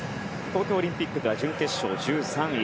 東京オリンピックでは準決勝１３位。